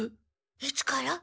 いつから？